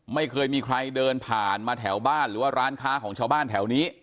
ไม่เคยมีใครเดินผ่านมาแถวบ้านหรือว่าร้านค้าของชาวบ้านแถวนี้